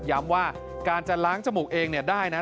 ย้ำว่าการจะล้างจมูกเองเนี่ยได้นะ